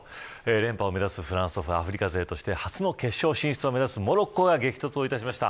連覇を目指すフランスとアフリカ勢として初の決勝進出を目指すモロッコが激突しました。